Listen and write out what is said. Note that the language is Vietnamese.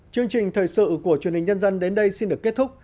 chương trình thời sự của truyền hình nhân dân đến đây xin được kết thúc